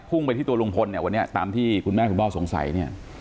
ไปที่ตัวลุงพลเนี่ยวันนี้ตามที่คุณแม่คุณพ่อสงสัยเนี่ย